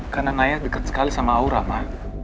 karena naya deket sekali sama aura ma